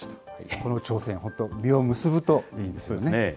この挑戦、本当、実を結ぶといいですね。